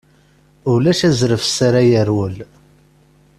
Ulac azref s ara yerwel.